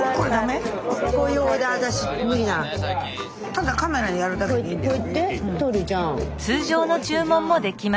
ただカメラでやるだけでいいんだよ。